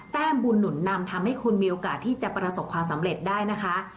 แต้มบุญหนุนนำทำให้คุณมีโอกาสที่จะประสบความสำเร็จได้นะคะ